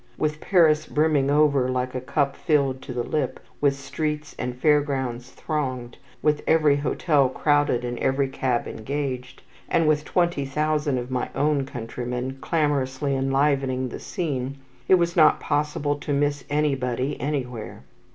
With Paris brimming over like a cup filled to the lip, with streets and fair grounds thronged, with every hotel crowded and every cab engaged, and with twenty thousand of my own countrymen clamorously enlivening the scene, it was not possible to miss anybody anywhere.